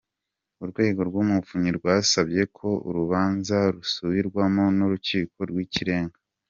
Urwego rw’Umuvunyi rwasabye ko urubanza rusubirwamo n’Urukiko rw’Ikirenga.